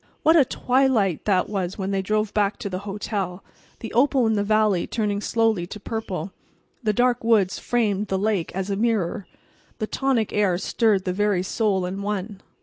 What a twilight that was when they drove back to the hotel! The opal of the valley turned slowly to purple, the dark woods framed the lake as a mirror, the tonic air stirred the very soul in one.